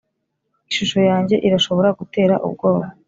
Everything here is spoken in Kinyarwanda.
ishusho yanjye irashobora gutera ubwoba,